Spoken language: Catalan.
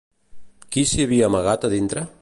Qui s'hi havia amagat a dintre?